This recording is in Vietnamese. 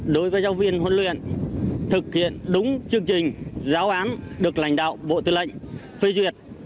đối với giáo viên huấn luyện thực hiện đúng chương trình giáo án được lãnh đạo bộ tư lệnh phê duyệt